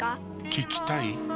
聞きたい？